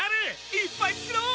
いっぱい作ろう！